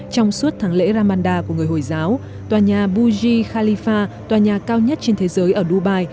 trong suốt tháng lễ ramadanda của người hồi giáo tòa nhà buji khalifa tòa nhà cao nhất trên thế giới ở dubai